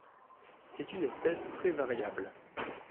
C'est une espèce très variable.